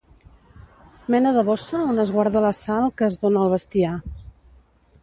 Mena de bossa on es guarda la sal que es dóna al bestiar.